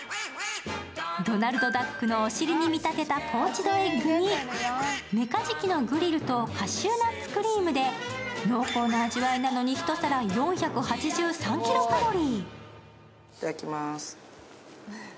ドナルドダックのお尻に見立てたポーチドエッグにメカジキのグリルとカシューナッツクリームで濃厚な味わいなのに一皿４８３ｋｃａｌ。